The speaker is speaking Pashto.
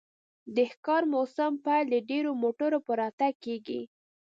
د ښکار موسم پیل د ډیرو موټرو په راتګ کیږي